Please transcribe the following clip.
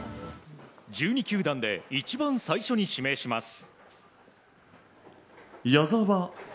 １２球団で一番最初に指名します。